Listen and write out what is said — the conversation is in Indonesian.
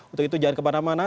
untuk itu jangan kemana mana